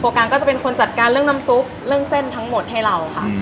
การก็จะเป็นคนจัดการเรื่องน้ำซุปเรื่องเส้นทั้งหมดให้เราค่ะ